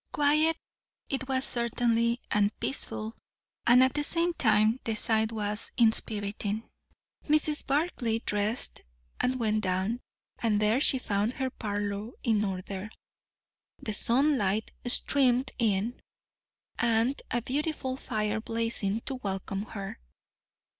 Quiet it was certainly, and peaceful, and at the same time the sight was inspiriting. Mrs. Barclay dressed and went down; and there she found her parlour in order, the sunlight streaming in, and a beautiful fire blazing to welcome her.